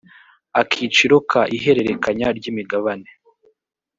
akiciro ka ihererekanya ry imigabane